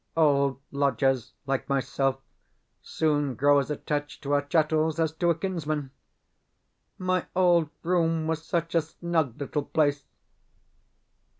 Old lodgers like myself soon grow as attached to our chattels as to a kinsman. My old room was such a snug little place!